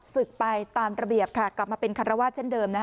ศึกไปตามระเบียบค่ะกลับมาเป็นคารวาสเช่นเดิม